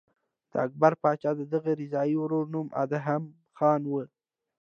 د اکبر پاچا د دغه رضاعي ورور نوم ادهم خان و.